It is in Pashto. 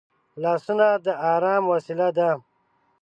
لاسونه د ارام وسیله ده